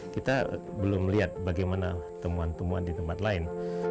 kita belum melihat bagaimana temuan temuan di tempat lain